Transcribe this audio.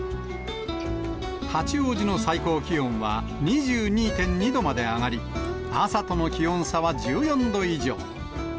八王子の最高気温は２２．２度まで上がり、朝との気温差は１４度以上。